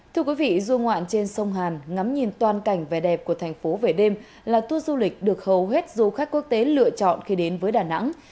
thưa quý vị du ngoạn trên sông hàn ngắm nhìn toàn cảnh vẻ đẹp của thành phố về đêm là tour du lịch được hầu hết du khách quốc tế lựa chọn khi đến với đà nẵng